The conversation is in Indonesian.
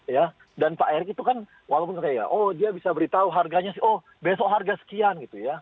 ya dan pak erick itu kan walaupun kayak oh dia bisa beritahu harganya sih oh besok harga sekian gitu ya